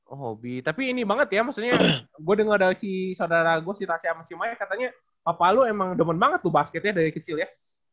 oh hobi tapi ini banget ya maksudnya gue dengar dari si saudara gue si rasia masih maya katanya papa lu emang gemen banget tuh basketnya dari kecil ya